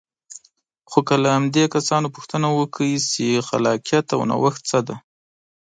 خو که له همدې کسانو پوښتنه وکړئ چې خلاقیت او نوښت څه دی.